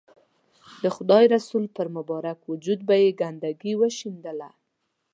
د خدای رسول پر مبارک وجود به یې ګندګي ورشیندله.